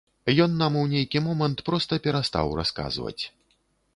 Ён нам у нейкі момант проста перастаў расказваць.